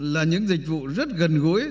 là những dịch vụ rất gần gối